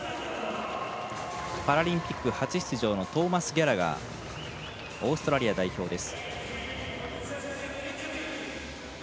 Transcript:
パラリンピック初出場のトーマス・ギャラガーオーストラリア代表です。